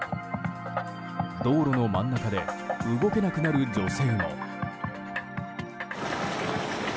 道路の真ん中で動けなくなる女性も。